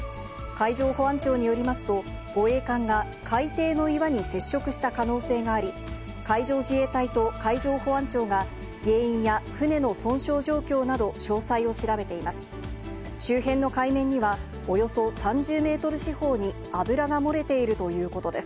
海上保安庁によりますと、護衛艦が海底の岩に接触した可能性があり、海上自衛隊と海上保安庁が、原因や船の損傷状況など、詳細を調べています。